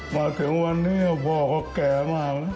มาถึงวันนี้พ่อเขาแก่มาก